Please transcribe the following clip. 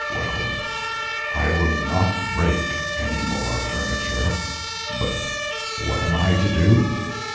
"Well, I will not break any more furniture. But what am I to do?